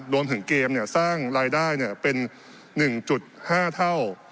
รวมถึงเกมสร้างรายได้เป็น๑๕เท่า